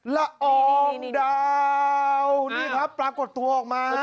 ละอองดาวนี่ครับปรากฏตัวออกมา